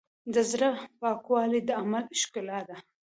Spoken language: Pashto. د زړۀ پاکوالی د عمل ښکلا ده.